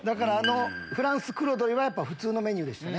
フランス黒鶏は普通のメニューでしたね。